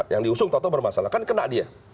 yang diusung tau tau bermasalah kan kena dia